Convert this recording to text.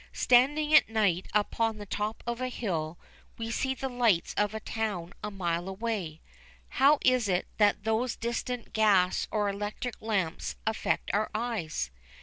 Standing at night upon the top of a hill, we see the lights of a town a mile away. How is it that those distant gas or electric lamps affect our eyes?